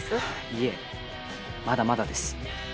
いえまだまだです